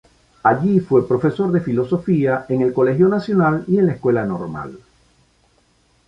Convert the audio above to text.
Allí fue profesor de Filosofía en el Colegio Nacional y en la Escuela Normal.